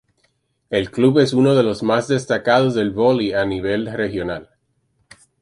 El club es uno de los más destacados en el vóley a nivel regional.